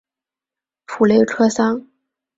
普雷克桑。